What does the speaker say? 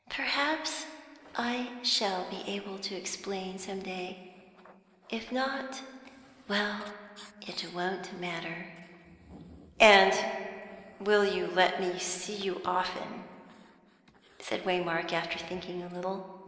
"Perhaps I shall be able to explain some day. If not, well, it won't matter." "And will you let me see you often?" said Waymark, after thinking a little.